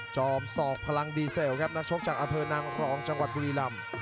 จอมศอกพลังดีเซลครับนักชกจากอำเภอนางรองจังหวัดบุรีรำ